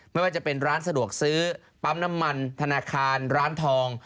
ไม่ว่าจะเป็นร้านสะดวกซื้อปั๊มน้ำมันธนาคารร้านทอง